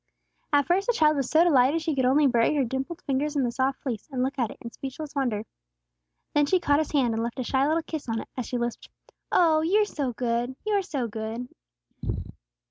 At first the child was so delighted she could only bury her dimpled fingers in the soft fleece, and look at it in speechless wonder. Then she caught his hand, and left a shy little kiss on it, as she lisped, "Oh, you're so good! You're so good!"